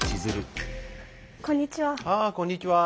こんにちは。